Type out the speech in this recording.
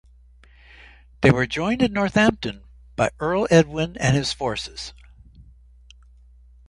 They were joined at Northampton by Earl Edwin and his forces.